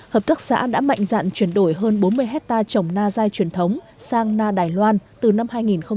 hợp tác xã đã mạnh dạn chuyển đổi hơn bốn mươi hectare trồng na dai truyền thống sang na đài loan từ năm hai nghìn một mươi